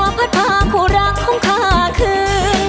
วอนลมจะพัดพากลัวรักของข้าคืน